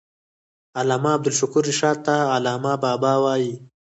علامه عبدالشکور رشاد ته علامه بابا هم وايي.